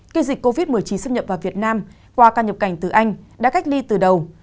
khi dịch covid một mươi chín xâm nhập vào việt nam qua ca nhập cảnh từ anh đã cách ly từ đầu